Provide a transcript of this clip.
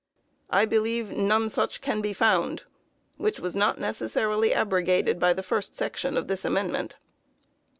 I believe none such can be found, which was not necessarily abrogated by the first section of this amendment.